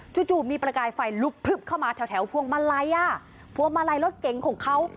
จู่มีประกายไฟลุกพลึบเข้ามาแถวพวงมาลัยอ่ะพวงมาลัยรถเก๋งของเขา